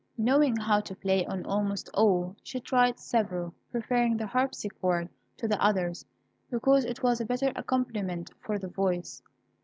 Knowing how to play on almost all, she tried several, preferring the harpsichord to the others, because it was a better accompaniment for the voice.